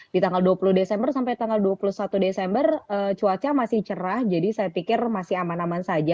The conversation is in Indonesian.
di tanggal dua puluh desember sampai tanggal dua puluh satu desember cuaca masih cerah jadi saya pikir masih aman aman saja